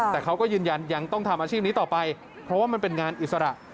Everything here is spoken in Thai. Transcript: แต่เขาก็ยืนยันยังต้องทำอาชีพนี้ต่อไปเพราะว่ามันเป็นงานอิสระ